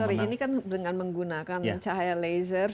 sorry ini kan dengan menggunakan cahaya laser